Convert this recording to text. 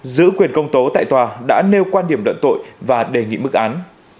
giữ quyền công tố tại tòa đã nêu quan điểm luận tội và đề nghị mức án